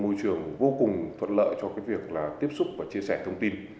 môi trường vô cùng thuận lợi cho cái việc là tiếp xúc và chia sẻ thông tin